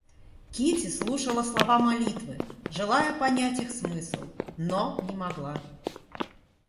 Кити слушала слова молитвы, желая понять их смысл, но не могла.